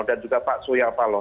dan juga pak surya paloh